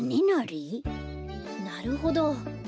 なるほど。